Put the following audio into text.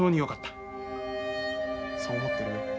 そう思ってるよ。